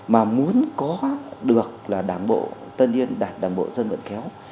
mà muốn có được là đảng bộ tân yên đảng bộ dân vận khéo